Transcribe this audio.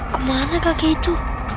kemana kakek itu